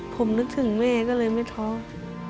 ผมนึกถึงแม่ก็เลยไม่ท้อ